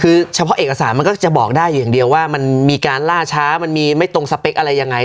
คือเฉพาะเอกสารมันก็จะบอกได้อยู่อย่างเดียวว่ามันมีการล่าช้ามันมีไม่ตรงสเปคอะไรยังไง